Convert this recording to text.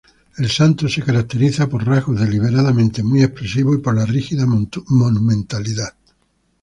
El santo se caracteriza por rasgos deliberadamente muy expresivos y por la rígida monumentalidad.